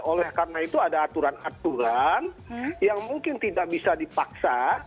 oleh karena itu ada aturan aturan yang mungkin tidak bisa dipaksa